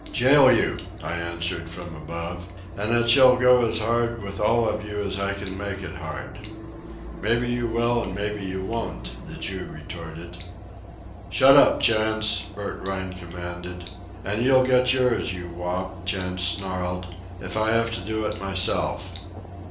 "Jail you," I answered from above. "And it shall go as hard with all of you as I can make it hard." "Maybe you will an' maybe you won't," the Jew retorted. "Shut up, Chantz!" Bert Rhine commanded. "And you'll get yours, you wop," Chantz snarled, "if I have to do it myself."